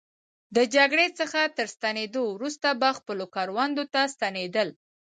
د جګړې څخه تر ستنېدو وروسته به خپلو کروندو ته ستنېدل.